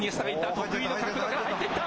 得意の角度から入っていった。